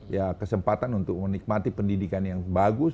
ya kesempatan untuk menikmati pendidikan yang bagus